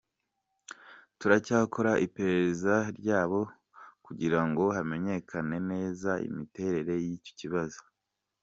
Turacyakora iperereza ryabyo kugira ngo hamenyekane neza imiterere y’iki kibazo.